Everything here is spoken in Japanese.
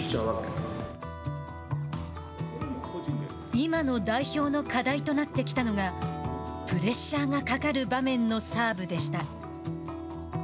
今の代表の課題となってきたのがプレッシャーがかかる場面でのサーブでした。